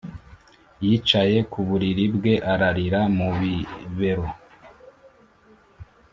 yicaye ku buriri bwe ararira mu bibero